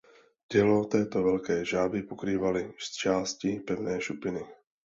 Tělo této velké žáby pokrývaly zčásti pevné šupiny.